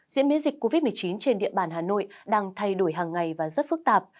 diễn biến dịch covid một mươi chín trên địa bàn hà nội đang thay đổi hàng ngày và rất phức tạp